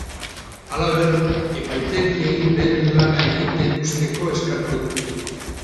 Halaber, epaitegiei beren lana egiten uzteko eskatu du.